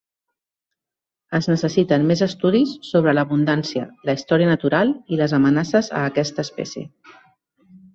Es necessiten més estudis sobre l'abundància, la història natural i les amenaces a aquesta espècie.